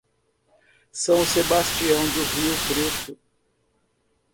São Sebastião do Rio Preto